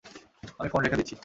আমি ফোন রেখে দিচ্ছি।